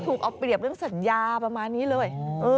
ถูกเอาเปรียบเรื่องสัญญาประมาณนี้เลย